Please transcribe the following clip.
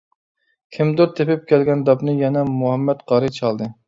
كىمدۇر تېپىپ كەلگەن داپنى يەنە مۇھەممەد قارى چالدى.